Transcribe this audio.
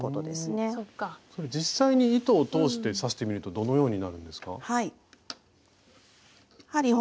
実際に糸を通して刺してみるとどのようになるんですか？